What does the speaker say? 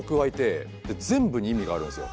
全部に意味があるんですよ。